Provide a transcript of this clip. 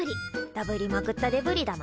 ダブりまくったデブリだな。